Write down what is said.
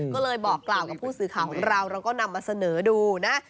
ก็เลยบอกกล่าวกับผู้สื่อข่าวของเราเราก็นำมาเสนอดูนะ